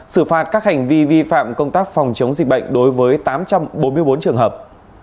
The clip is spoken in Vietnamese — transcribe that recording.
xử phạt các hành vi vi phạm công tác phòng chống dịch bệnh đối với tám trăm bốn mươi bốn trường hợp